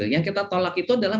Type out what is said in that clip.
yang kita tolak itu adalah